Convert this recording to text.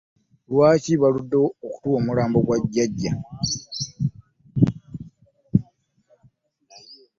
Lwaki baluddewo okutuwa omulambo gwa jjajja?